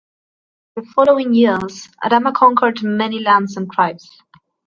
In the following years Adama conquered many lands and tribes.